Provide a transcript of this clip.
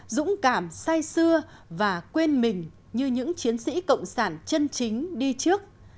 dũng cảm say xưa và quên mình như những chiến sĩ cộng sản chân chính đi trước